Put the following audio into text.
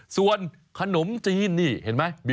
ส่วนขนมจีนนี่เห็นไหม